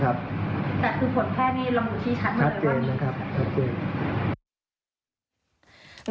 แต่คือผลแพทย์นี้ลองถูกที่ฉันเหมือนกันหรือเปล่าคัดเกณฑ์นะครับคัดเกณฑ์